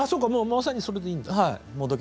まさにそれでいいんだ。